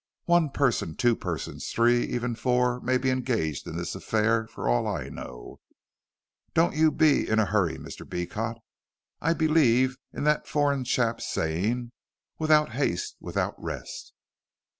One person, two persons, three, even four may be engaged in this affair for all I know. Don't you be in a hurry, Mr. Beecot. I believe in that foreign chap's saying, 'Without haste without rest.'"